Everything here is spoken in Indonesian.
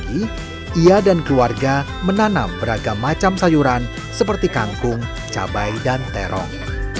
pagi ia dan keluarga menanam beragam macam sayuran seperti kangkung cabai dan terong